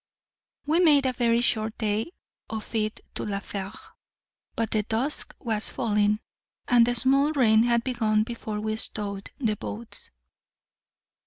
We made a very short day of it to La Fère; but the dusk was falling, and a small rain had begun before we stowed the boats.